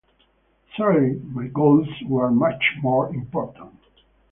Surely my goals were much more important.